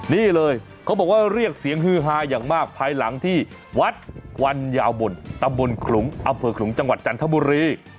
นี่เลยเขาบอกว่าเรียกเสียงฮือฮาอย่างมากภายหลังที่วัดวันยาวบนตำบลขลุงอำเภอขลุงจังหวัดจันทบุรี